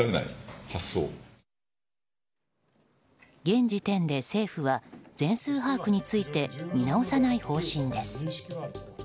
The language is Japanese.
現時点で政府は全数把握について見直さない方針です。